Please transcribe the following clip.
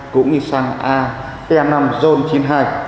cũng như xăng a năm x zone chín mươi hai